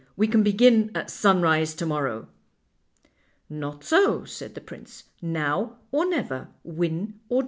We can begin at sunrise to morrow." "Not so," said the prince. "Now or never; win or die."